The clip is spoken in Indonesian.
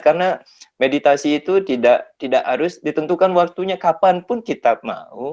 karena meditasi itu tidak harus ditentukan waktunya kapanpun kita mau